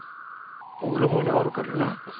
奥の方におるからな。